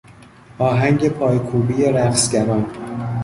آهنگ پایکوبی رقصگران